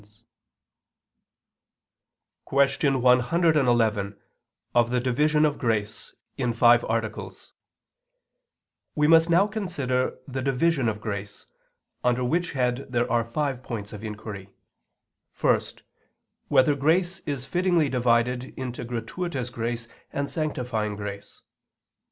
________________________ QUESTION 111 OF THE DIVISION OF GRACE (In Five Articles) We must now consider the division of grace; under which head there are five points of inquiry: (1) Whether grace is fittingly divided into gratuitous grace and sanctifying grace?